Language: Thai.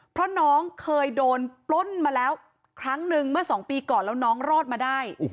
เพราะน้องเคยโดนปล้นมาแล้วครั้งนึงเมื่อ๒ปีก่อนแล้วน้องรอดมาได้